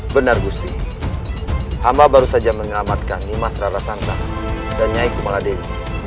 benar gusti amba baru saja mengelamatkan nimas rara santa dan nyai kumala dewi